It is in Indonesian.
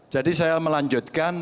jadi saya melanjutkan